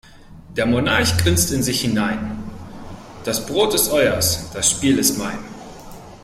Der Monarch grinst in sich hinein: Das Brot ist eures, das Spiel ist mein.